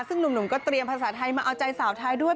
ซึ่งหนุ่มก็เตรียมภาษาไทยมาเอาใจสาวไทยด้วย